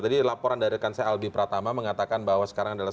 tadi laporan dari rekan saya albi pratama mengatakan bahwa sekarang adalah